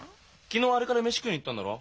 昨日あれから飯食いに行ったんだろ？